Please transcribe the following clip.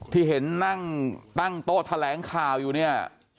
ที่เห็นนั่งตั้งโต๊ะแถลงข่าวอยู่เนี่ย